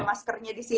maskernya di sini